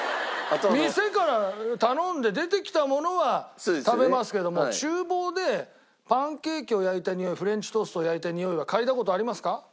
店から頼んで出てきたものは食べますけども厨房でパンケーキを焼いたにおいフレンチトーストを焼いたにおいは嗅いだ事ありますか？